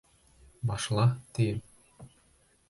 Башла, тием!